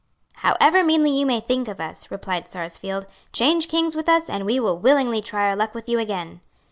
"However meanly you may think of us," replied Sarsfield, "change Kings with us, and we will willingly try our luck with you again."